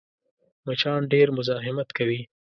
مچان ډېر مزاحمت کوي